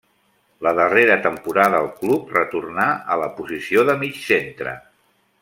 La darrera temporada al club retornà a la posició de mig centre.